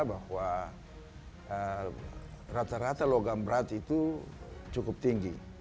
bahwa rata rata logam berat itu cukup tinggi